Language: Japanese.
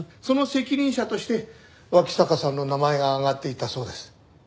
その責任者として脇坂さんの名前が挙がっていたそうです。